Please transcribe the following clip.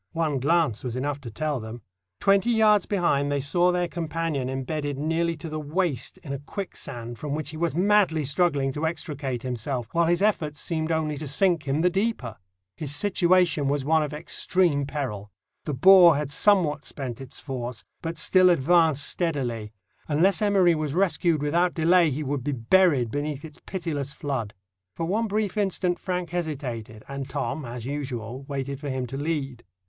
One glance was enough to tell them. Twenty yards behind they saw their companion embedded nearly to the waist in a quicksand, from which he was madly struggling to extricate himself, while his efforts seemed only to sink him the deeper. His situation was one of extreme peril. The bore had somewhat spent its force, but still advanced steadily. Unless Emory was rescued without delay, he would be buried beneath its pitiless flood. For one brief instant Frank hesitated, and Tom, as usual, waited for him to lead.